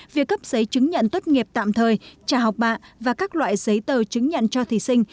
việc cấp giấy chứng nhận tốt nghiệp tạm thời trả học bạ và các loại giấy tờ chứng nhận cho thí sinh